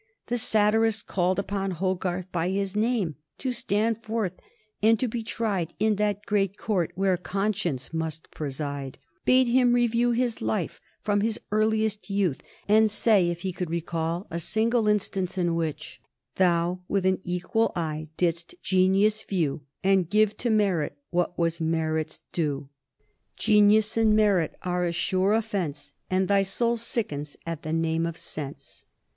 The satirist called upon Hogarth by his name, to stand forth and be tried "in that great court where conscience must preside," bade him review his life from his earliest youth, and say if he could recall a single instance in which Thou with an equal eye didst genius view And give to merit what was merit's duet Genius and merit are a sure offence, And thy soul sickens at the name of sense.